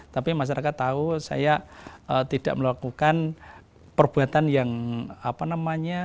tapi masyarakat tahu saya tidak melakukan perbuatan yang apa namanya